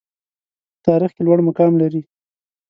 په تاریخ کې لوړ مقام لري.